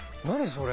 それ。